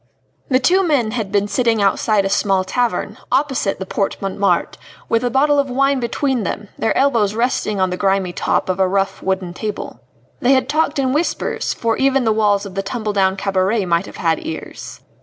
The two men had been sitting outside a small tavern, opposite the Porte Montmartre, with a bottle of wine between them, their elbows resting on the grimy top of a rough wooden table. They had talked in whispers, for even the walls of the tumble down cabaret might have had ears.